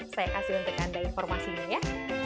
saya kasih untuk anda informasinya